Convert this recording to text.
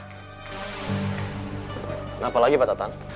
kenapa lagi pak tatang